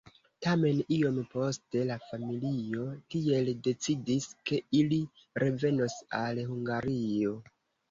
Tamen iom poste la familio tiel decidis, ke ili revenos al Hungario.